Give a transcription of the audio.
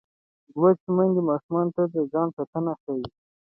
لوستې میندې ماشوم ته د ځان ساتنه ښيي.